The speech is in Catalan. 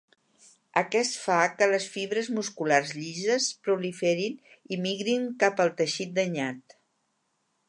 Aquest fa que les fibres musculars llises proliferin i migrin cap al teixit danyat.